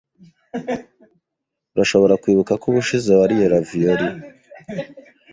Urashobora kwibuka ko ubushize wariye ravioli?